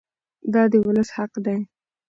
دا د ولس حق دی.